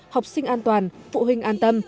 học sinh an toàn phụ huynh an tâm